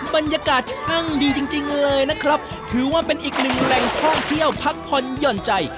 บรรยากาศช่างดีจริงเลยนะครับถือว่าเป็นอีกหนึ่งแหล่งท่องเที่ยวพักผ่อนหย่อนใจ